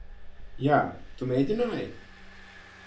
Jā, tu mēģināji.